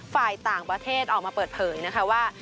ฝ่ายต่างประเทศออกมาเปิดเผยนะคะว่า